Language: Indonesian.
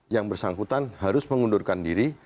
yang bersangkutan harus mengundurkan diri